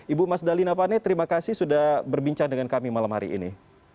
ibu mas dalina pane terima kasih sudah berbincang dengan kami malam hari ini